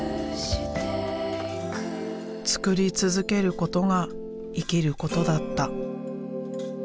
作り続けることが生きることだった。